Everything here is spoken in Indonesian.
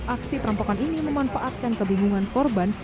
aksi perampokan ini memanfaatkan kebingungan korban